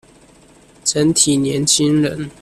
整體年輕人